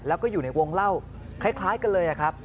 แล้วก็อยู่ในวงเล่าคล้ายกันเลยครับ